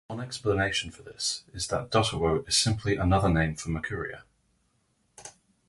One explanation for this is that Dotawo is simply another name for Makuria.